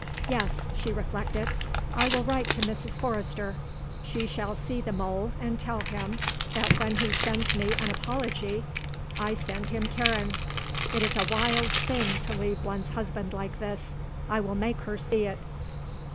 Yes;" she reflected; "I will write to Mrs. Forrester. She shall see the mole and tell him that when he sends me an apology I send him Karen. It is a wild thing to leave one's husband like this. I will make her see it."